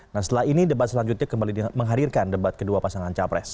nah setelah ini debat selanjutnya kembali menghadirkan debat kedua pasangan capres